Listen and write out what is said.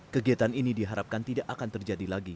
kegiatan ini diharapkan tidak akan terjadi lagi